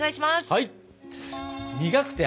はい！